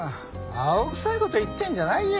青臭い事言ってんじゃないよ。